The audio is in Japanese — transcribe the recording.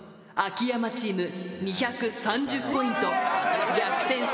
秋山チーム２３０ポイント。